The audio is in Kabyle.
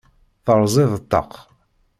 Terẓiḍ ṭṭaq.